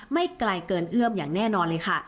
ไม่ไกลเกินเอื้อมอย่างแน่นอนเลยค่ะ